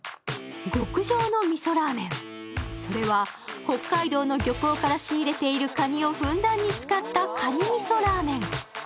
極上のみそラーメン、それは北海道の漁港から仕入れているかにをふんだんに使った蟹みそラーメン。